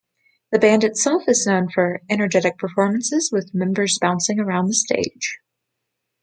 The band itself is known for energetic performances, with members bouncing around the stage.